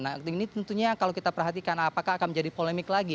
nah acting ini tentunya kalau kita perhatikan apakah akan menjadi polemik lagi